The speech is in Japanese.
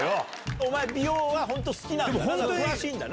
お前、美容は本当、好きなんだな。